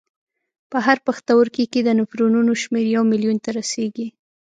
په هر پښتورګي کې د نفرونونو شمېر یو میلیون ته رسېږي.